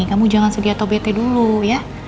kamu jangan sedih atau bete dulu ya